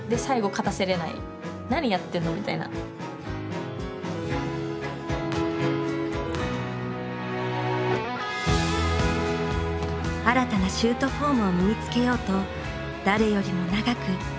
新たなシュートフォームを身につけようと誰よりも長くコートに立ち続けた。